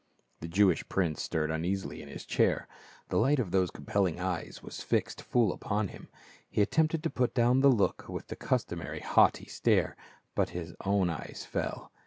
The Jewish prince stirred uneasily in his chair, the light of those compelling eyes was fixed full upon him ; he attempted to put down the look with his customary haughty stare, but his own eyes fell.